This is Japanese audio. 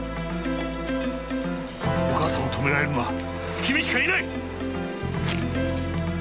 お母さんを止められるのは君しかいない！